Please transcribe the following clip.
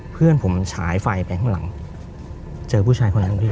เพื่อนผมฉายไฟไปข้างหลังเจอผู้ชายคนนั้นพี่